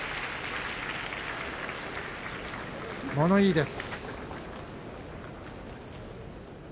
物言いです。